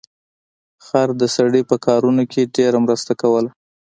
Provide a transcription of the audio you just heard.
خر د سړي په کارونو کې ډیره مرسته کوله.